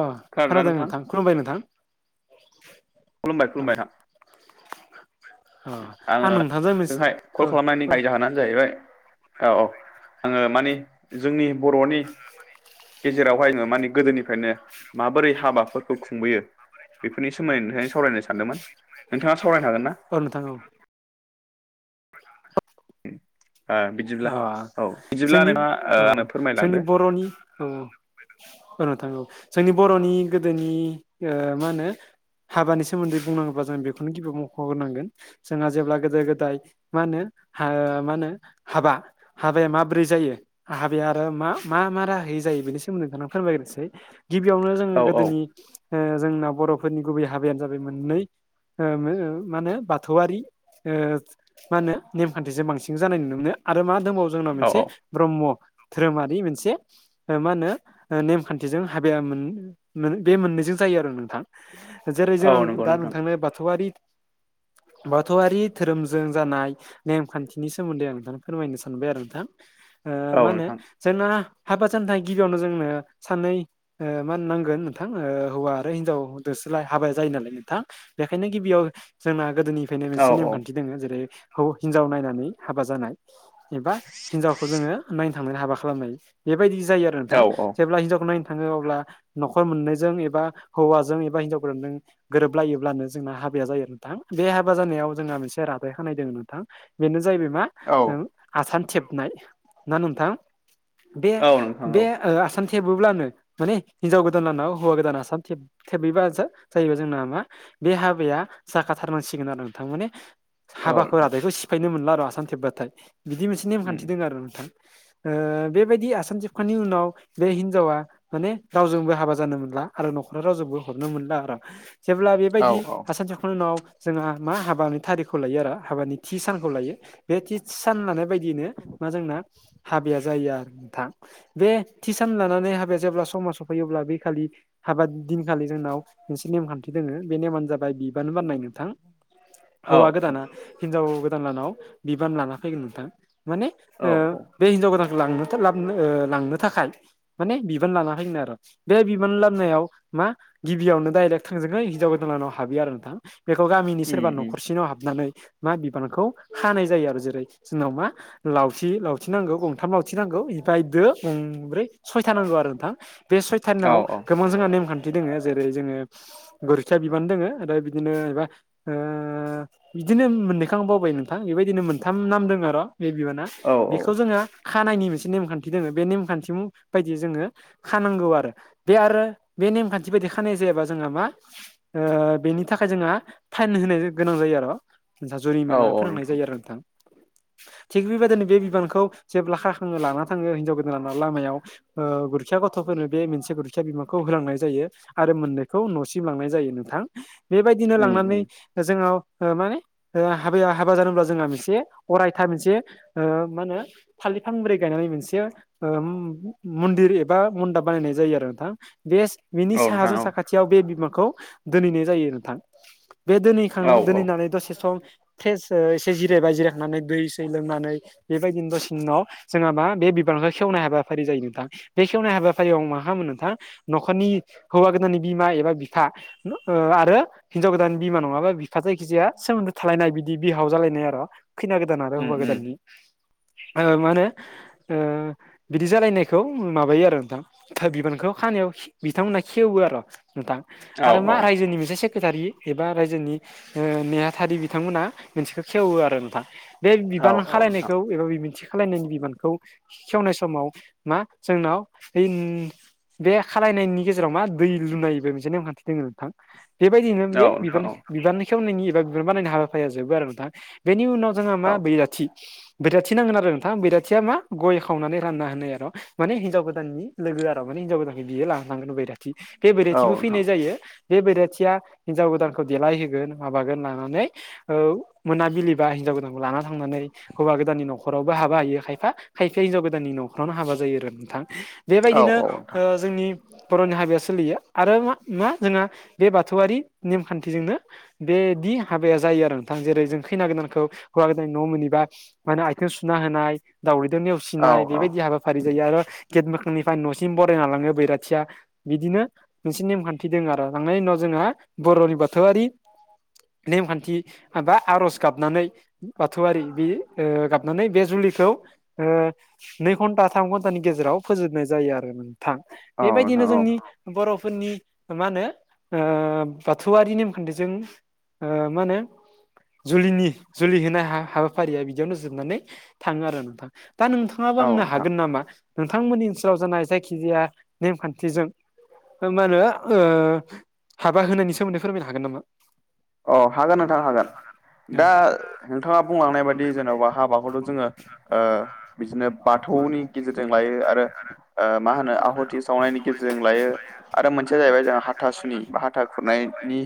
अ खोनादों नोंथां खलुमबाय नोंथां। खुलुमबाय औ खुलुमबाय थां। अ आं आङो नोंथांजों मोनसे [unintelligible] हाय औ कल खालामनायनि औ थाय जाहोनानो जाहैबाय औ आङो मानिे जोंनि बर'नि गेजेरावहायनो माने गोदोनिफ्रायनो माबोरै हाबाफोरखौ खुंबोयो बेफोरनि सोमोन्दै नोंथांजों सावरायनो सानदोंमोन नोंथाङा सावरायनो हागोन ना? औ नोंथां औ ओ बिदिब्ला अ औ बिदिब्ला जोंनि नोंथाङा ओ औ आंनो जोंनि फोरमायलांदो बर'नि औ ओ नोंथां औ जोंनि बर'नि गोदोनि ओ मा होनो हाबानि सोमोन्दै बुंनांगोबा जों बेखौनो गिबियाव मख'ग्रोनांगोन। जोंहा जेब्ला गोदो गोदाय मा होनो हा-मा होनो? हाबा हाबाया माबोरै जायो? आ हाबाया आरो मा मा मा राहायै जायो बेनि सोमोन्दै नोंथांनो फोरमायग्रोसै। गिबियावनो जोङो औ औ गोदोनि ओ-जोंना बर'फोरनि गुबै हाबायानो जाबाय मोननै। ओ-मो-मानो बाथौआरि ओ- मा होनो नेमखान्थिजों बांसि जानाय नुनो मोनो आरो मा दंबावो जोंनाव औ मोनसे। ब्रह्म धोरोमारि मोनसे मा होनो ओ-नेमखान्थिजों हाबाया मोन- बे मोननैजों जायो आरो नोंथां। जेरै औ जों नंगौ दा नोंथां नोंथांनो बाथौआरि बाथौआरि धोरोमजों जानाय नेमखान्थिनि सोमोन्दै आं नोंथां फोरमायनो सानबाय आरो ओ-नोंथां औ मा होनो? नोंथां जोंना हाबा जानो थायखाय गिबियावनो जोंनो सानै ओ-मा होननो नांगोन नोंथां ओ-हौवा आरो हिनजाव दोसलाय हाबाया जायो नालाय नोंथां। बेखायनो गिबियाव जोंना गोदोनिफ्रायनो औ मोनसे औ नेमखान्थि दङ जेरै हौ-हिनजाव नायनानै हाबा जानाय। एबा हिनजावखौ जोङो नायनो थांनानै हाबा खालामनाय बेबायदि जायो। नोंथां औ जेब्ला हिनजावखौ नायनो थाङो अब्ला न'खर मोननैजों एबा हौवाजों एबा हिनजाव गोदानजों गोरोबलायोब्लानो जोंना हाबाया जायो नोंथां बे हाबा जानायाव जोंहा मोनसे रादाय खानाय दोङो नोंथां। बेनो जाहैबाय मा औ ओ-आसान थेबनाय ना नोंथां बे औ नोंथां औ बे ओ-आसाम थेबोब्लानो माने हिनजाव गोदान लाना हौवा गोदाना आसाम थेब थेबैबा जा-जायोबा जोंना मा बे हाबाया जाखाथारनांसिगोन आरो नोंथां माने औ हाबाखौ नोंथां रादायखौ सिफायनो मोनला र' आरो आसाम थेबाथाय बिदि मोनसे उम नेमखान्थि दङ आरो नोंथां। बेबायदि आसान थेबखांनायनि उनाव बे हिनजावा -' माने रावजोंबो हाबा जानो मोनला आरो न'खरा रावजोंबो हरनो मोनला आर'। जेब्ला औ बेबायदि आसामान साखांनायनि उनाव जोंहा मा हाबानि थारिखखौ लायो आरो। हाबानि थि सानखौ लायो बे थि सान लानाय बायदियैनो मा जोंना? हाबाया जायो आरो नोंथां। बे थि सान लानानै हाबाया जेब्ला समाजावफैयोब्ला बे खालि हाबा दिनखालि जोंनाव मोनसे नेमखान्थि दोङो बे नेमानो जाबाय बिब बिबान बाननाय नोंथां औ हौवा गोदाना हिनजाव गोदान लानाव बिबान लाना फैगोन नोंथां माने औ औ ओ-बे हिनजाव गोदानखौ लांनो थाब- लांनो ओ-लांनो थाखाय माने बिबान लाना फैगोन आर'। बे बिमान लाबनायाव मा गिबियावनो डाइरेक्ट थांजोङैनो हिनजाव गोदानानाव हाबियो आरो नोंथां। बेखौ गामिनि उम सोरबा उम न'खरसेनाव हाबनानै मा बिबानखौ हानाय जायो आरो जेरै सि नमा लावथि लावथि नांगौ गंथाम लावथि नांगौ मफफ्राय दो गंब्रै सयथा नांगौ आरो नोंथां बे औ सयथानाव औ गोबां जोंहा नेमखान्थि दोङ जेरै जोङो गोरोथिया बिबान दोङो ओफ्राय बिदिनोबा ओ बिदिनो मोननैखौ आं बावबाय नोंथां बेबायदिनो मोनथाम नामदों जङ' बे बिबाना औ बेखौ जोङो खानायनि मोनसे नेमखान्थि दोङो बे नेमखान्थि बायदियै जोङो खानांगौ आरो बे आरो बे नेमखान्थि बायदि खानाय जायाबा जोंहा मा? ओ-बेनि थाखाय जोंहा फाइन होनाय गोनां जायो आर'। [unintelligible] औ जुरिमाना औ फोनांनाय जायो आरो नोंथां। थिग बेबायदिनो बे बिबानखौ जेब्ला खाखाङो लाना थाङो हिनजाव गोदान लामायाव। गुरखिया गथ'फोरनो बे मोनसे गुरखिया बिबानखौ होलांनाय जायो। आरो मोननैखौ न'सिम लांनाय जायो नोंथां। बेबायदिनो उम लांनानै उम जोंाव माने हाबाया हाबा जानोब्ला जोंहा मोनसे अरायथा मोनसे मा होनो फाललिफांब्रै गायनानै मोनसे ओम मन्दिर एबा मन्दाब बानायनाय जायो आरो नोंथां बे बिनि औ नोंथां साहाजों औ साखाथियाव बे बिमाखौ दोनहैनाय जायो नोंथां बे दोनहैखां औ औ दोनहैनानै दसे सम थेज एसे जिरायबाय जिरायखांनानै दै सै लोंनानै बेबायदिनो दसि उनाव जोंहा मा बे बिबारखौ खेवनाय हाबाफारि जायो नोंथां बे खेवनाय हाबाफारियाव आ मा मोनो नोंथां न'खरनि हौवा गोदाननि बिमा एबा बिफा नो आरो हिनजाव गोदान बिमा नङाबा बिफा जायखिजाया सोमोन्दो थालायनाय बिदि बिहाव जालायनाय आरो खैना गोदान आरो उम हौवा उम गोदाननि मा होनो बिदि जालायनायखौ माबायो आरो नोंथां बिबानखौ खानायाव बिथांमोनहा खेवो आरो' नोंथां औ आरो मा औ रायजोनि मोनसे से सेखेथारि एबा रायजोनि नेहाथारि बिथांमोना मोनसेखौ खेवो आरो नोंथां बे औ बिबान औ नोंथां खालायनायखौ एबा बिबन्थि खालायनायनि बिबानखौ खेवनाय समाव मा जोंनाव बे खालायनायनि गेजेराव मा दै लुनायबो मोनसे नेमखान्थि दङ नोंथां बेबायदिनो औ बे नोंथां औ बिबान खेवनायनि एबा बिबान बानायनायनि हाबाफारिया जोबो आरो दा बेनि उनाव जोंहा औ मा बैराथि बैराथि नांगोन आरो नोंथां बैराथिया मा गय खावनानै रानना होनाय आरो माने हिनजाव गोदाननि लोगो आरो माने हिनजाव गोदानखौ बियो लानांगोन बैराथि बे औ बैराथिबो नोंथां फैनाय जायो बे बैराथिया हिनजाव गोदानखौ देलायहोगोन माबागोन लानानै ओव मोनाबिलि बा हिनजाव गोदानखौ लाना थांनानै हौवा गोदाननि न'खरावबो हाबा हायो खायफा खायफाया हिनजाव गोदाननि न'खरावनो हाबा जायो आरो नोंथां औ बेबायदिनो औ नोंथां जोंनि बर'नि हाबाया सोलियो आरो मा मा जोंहा बे बाथौआरि नेमखान्थिजोंनो बेदि हाबाया जायो आरो नोंथां जेरै जों खैना गोदानखौ हौवा गोदान न' मोनैबा माने आथिं सुना होनाय दाावरैद औ नेवसिनाय बेबायदि हाबा फारि जायो आरो गेट मोखांनिफ्राय न'सिम बरायना लाङो बैराथिया बिदिनो मोनसे नेमखान्थि दं आरो थांनायनि उनाव जोंहा बर'नि बाथौआरि नेमखान्थि आरज गाबनानै बाथौआरि बे गाबनानै बे जुलिखौ नै घन्टा थाम घन्टानि गेजेराव फोजोबनाय जायो आरो मोनथां औ बेबायदिनो नोंथां जोंनि औ बर'फोरनि मा होनो ओ बाथौआरि नेम खानथिजों मा होनो जुलिनि जुलि होनाय हाबाफारिया बिदियावनो जोबनानै थाङो आरो नोंथां दा नोंथां नोंथांङाबा औ आंनो नोंथां हागोन नामा नोंथांमोननि ओनसोलाव जानाय जायखिजाया नेमखान्थिजों मा होनो ओ हाबा होनायनि सोमोन्दै फोरमायनो हागोन नामा अ हागोन नोंथां हागोन दा नोंथाङा बुंलांनाय बायदि जेन'बा हाबाखौथ' जोङो ओ बिदिनो बाथौनि गेजेरजों लायो आरो मा होनो आहुथि सावनायनि गेजेरजों लायो आरो मोनसेया जाहैबाय जोंहा हाथा सुनि बा हाथा खुरनायनि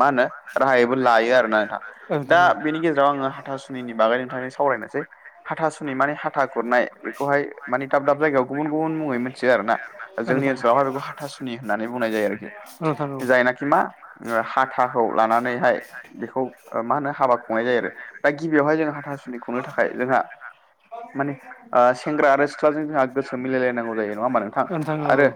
मा होनो राहायबो लायो आरो ना नोंहा औ नोंथां दा औ बेनि गेजेराव आङो हाथासुनि बागै नोंथांनि सावरायनोसै हाथासुनि माने हाथा खुरनाय बेखौहाय माने दाब दाब जायगायाव गुबुन गुबुन मुङै मिथियो आरो ना औ जोंनि नोंथां ओनसोलावहाय बेखौ हाथासुनि होननानै बुंनाय जायो आरोखि औ स [unintelligible] जायनाखि मा हाथाखौ लानानैहाय बेखौ मा होनो हाबा खुंनाय जायो आरो दा गिबियावहाय जों हाथासुनि खुंनो थाखाय जोंहा औ माने सेंग्रा आरो सिख्लाजों जोंहा गोसो मिलायलायनांगौ जायो नङा होमा नोंथां औ औ आरो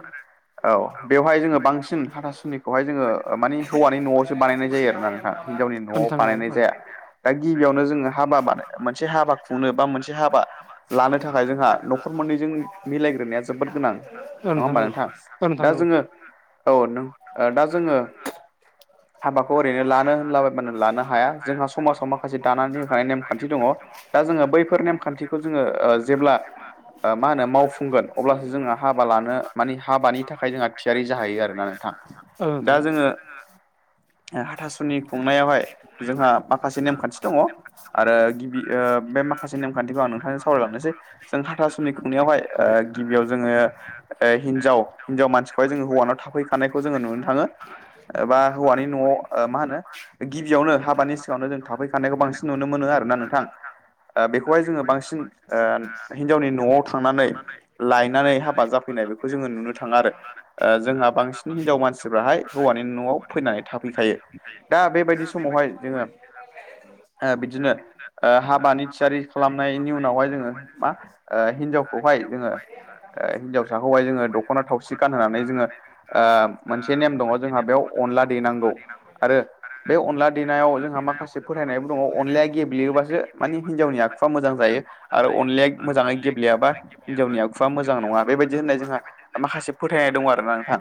औ बेवहाय जोङो बांसिन हाथासुनिखौहाय जोङो मानि हौवानि न'आव सो बानायनाय जायो आरो ना नोंथां हिनजावनि औ न'आव नोंथां औ बानायनाय जाया। दा गिबियावनो जोङो हाबा बानो मोनसे हाबा खुंनो बा मोनसे हाबा लानो थाखाय जोंहा नख नखर मोननैजों मिलायग्रोनाया जोबोद गोनां औ नङा होमबा औ नोंथां दा जोङो औ नों दा जोङो हाबाखौ ओरैनो लानो होनलाबायबानो लानो हाया। जोंहा समाजाव माखासे दानानै होखानाय नेमखान्थि दङ दा जोङो बैफोर नेमखान्थिखौ जोङो जेब्ला मा होनो मावफुंगोन अब्लासो जोङो हाबा लानो मानि हाबानि थाखाय जोंहा थियारि जाहैयो आरोना नोंथां। औ दा जों हाथासुनि खुंनायावहाय जोंहा माखासे नेमखान्थि दङ आरो गिबि बे माखासे नेमखान्थिखौ आं नोंथांजों सावरायलांनोसै जों हाथासुनि खुंनायावहाय गिबियाव जोङो हिनजाव हिनजाव मानसिखौहाय जों हौवानाव थाब फैखानायखौ जोङो नुनो थाङो एबा हौवानि न'आव मा होनो गिबियावनो हाबानि सिगाङावनो जों थाफै खाननायखौ बांसिन नुनो मोनो आरो ना नोंथां बेखौहाय जोङो बांसिन हिनजावनि न'आव थांनानै लायनानै हाबा जाब फैनाय बेखौ जोङो नुनो थाङो आरो जोंहा बांसिन हिनजाव मानसिफ्राहाय हौवानि न'आव फैनानै थाफैखायो दा बेबायदि समावहाय जोङो [unintelligible] बिदिनो हाबानि थियारि खालामनायनि उनावहाय जोङो मा हिनजावखौहाय जोङो हिनजावसाखौहाय जोङो दख'ना थावसि गानहोनानै जोङो ओ मोनसे नेम दङ जोंहा बेयाव अनला देनांगौ आरो बे अनला देनायाव जों जोंहा माखासे फोथायनायबो दङ अनलाया गेब्लेयोबासो मानि हिनजावनि आखुआ मोजां जायो। आरो अनलाया मोजाङै गेब्लेयाबा हिन्जावनि आखुआ मोजां नङा बेबायदि होननाय जोंहा माखासे फोथायनाय दं आरो नोंथां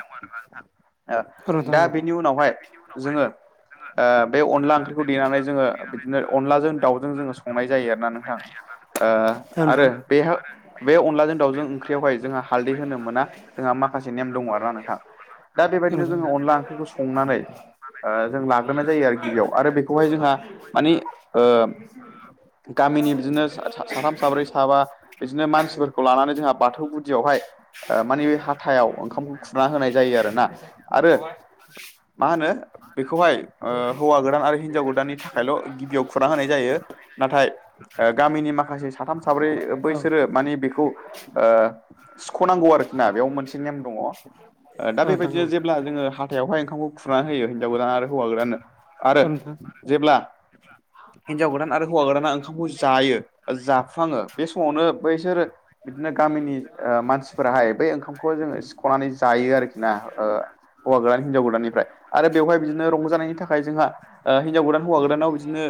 नोंथां दा औ नोंथां औ नोंथां औ नोंथां औ नोंथां बेनि उनावहाय जोङो बे अनला ओं बेखौ देनानै जोङो बिदिनो अनलाजों दाउजों जोङो संनाय जायो आरोना नोंथां नोंथां औ औ नोंथां आरो बेहा बे अनलाजों दाउजों ओंख्रियावहाय जोंहा हालदै होनो मोना जोंहा माखासे नेम दङ आरो ना नोंथां दा बेबायदिनो जोङो औ अनला ओंख्रिखौ संनानै ओ जों लाग्रोनाय जायो आरो गिबियाव आरो बे बेखौहाय जोंहा मानि ओ गामिनि बिदिनो साथाम साब्रै साबा बिदिनो मानसिफोरखौ लानानै जोंहा बाथौ गुदियावहाय ओ मानि बे हाथायाव ओंखामखौ खुरना होनाय जायो आरोना आरो [unintelligible] मा होनो बेखौहाय ओ हौवा गोदान आरो हि हिनजाव गोदाननि थाखायल' गिबियाव खुरा होनाय जायो नाथाय ओ गामिनि माखासे साथाम साब्रै बैसोरो माने बेखौ सिख'नांगौ आरोखि ना बेयाव मोनसे नेम दङ दा औ नोंथां बेबायदिनो जेब्ला जोङो बेयावहाय ओंखामखौ खुरनानै होयो हिनजाव गोदान आरो हौवा गोदाननो आरो जेब्ला हिनजाव गोदान आरो हौवा गोदाना ओंखामखौ जायो। जाफुङो बे समावनो बैसोरो बिदिनो गामिनि मानसिफोराहाय बै ओंखामखौ जोङो सिख'नानै जायो आरोखि ना ओ हौवा गोदान हिनजाव गोदाननिफ्राय आरो बेवहाय बिदिनो रंजानायनि थाखाय जोंहा हिन्जाव गोदान हौवा गोदानाव बिदिनो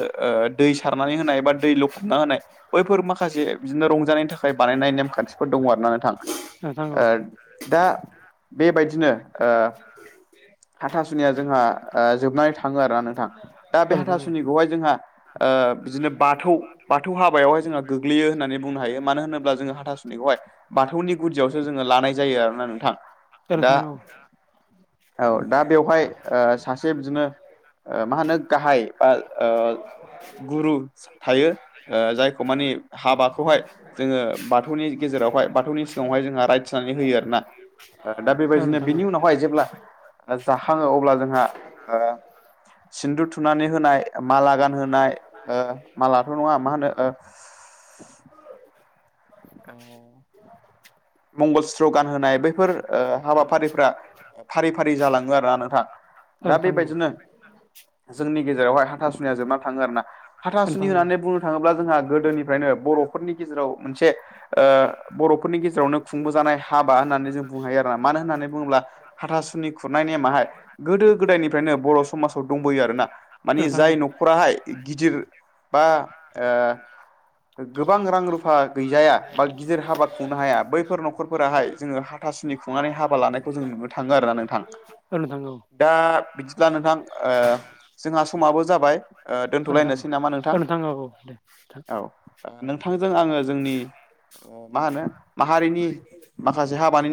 दै सारनानै होनाय बा दै लखबना होनाय बैफोर मा खासे बिदिनो रंजानायनि थाखाय बानायनाय नेमखान्थिफोर दङ आरोना नोंथां। औ ओ दा बेबायदिनो ओ हाथासुनिया जोंहा ओ जोबनानै थाङो आरोना नोंथां दा औ बे नोंथां औ नोंथां हाथासुनिखौहाय जोंहा ओ बिदिनो बाथौ बाथौ हाबायावहाय जोंहा गोग्लैयो होननानै बुंनो हायो मानो होनोब्ला जोङो हाथासुनायखौहाय बाथौनि गुदियावसो जोङो लानाय जायो आरोना नोंथां दा औ दा बेवहाय ओ सासे बिदिनो मा होनो गाहाय बा ओ गुरु थायो जायखौ मानि हाबाखौहाय जोङो बाथौनि गेजेरावहाय बाथौनि सिगाङावहाय जोंहा राइटस होननानै होयो आरो ना दा बेबायदिनो बिनि उनावहाय जेब्ला जाखाङो अब्ला जोंहा ओ सिन्दु थुनानै होनाय माला गानहोनाय मालाथ' नङा मा होनो ओ [inaudible] मंगल सुत्तगान होनाय बैफोर हाबाफारिफ्रा फारि फारि जालाङो आरोना नोंथा। दा बेबायदिनो जोंनि गेजेरावहाय हाथासुनिया जोबना थाङो आरो ना हाथासुनि होननानै बुंनो थाङोब्ला जोंहा गोदोनिफ्रायनो बर'फोरनि गेजेराव मोनसे ओ बर'फोरनि गेजेरावनो खुंबोजानाय हाबा होननानै जों बुंनो हायो आरोना मानो होननानै बुङोब्ला हाथासुनि खुरनाय नेमाहाय गोदो गोदायनिफ्रायनो बर' समाजाव दंबोयो आरो ना औ औ मानि नोंथां औ जाय न' खराहाय गिदिर बा ओ गोबां रां रुफा गैजाया बा गिदिर हाबा खुंनो हाया बै फोर नखरफोराहाय जोङो हाथासुनि खुंनानै हाबा लानायखौ जोङो नुनो थाङो आरोना नोंथां। औ नोंथां औ दा बिदिब्ला नोंथां ओ जोंहा समाबो जाबाय। ओ औ नोंथां औ दोन्थ'लायनोसै नामा औ नोंथां औ औ दे नोंथां औ। ओ नोंथांजों आङो जोंनि मा होनो माहारिनि माखासे हाबानि